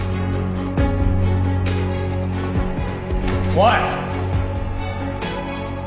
おい！